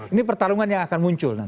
ini pertarungan yang akan muncul nanti